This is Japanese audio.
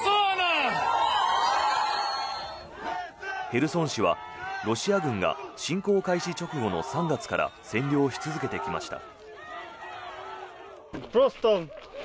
ヘルソン市はロシア軍が侵攻開始直後の３月から占領し続けてきました。